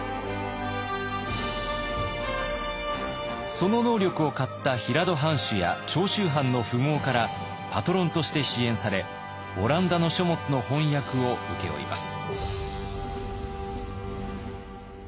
その能力を買った平戸藩主や長州藩の富豪からパトロンとして支援されオランダの書物の翻訳を請け負います。